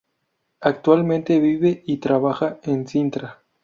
Actualmente vive y trabaja en Sintra.